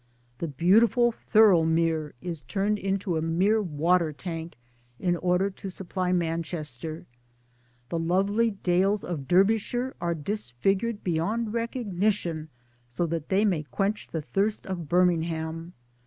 The beautiful Thirlmere is turned into a mere water tank in order to supply Manchester ; the lovely dales of Derby shire are disfigured beyond recognition so that they may quench the thirst of Birmingham 1